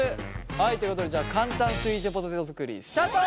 はいということでじゃあ簡単スイートポテト作りスタート！